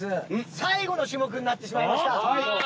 最後の種目になってしまいました。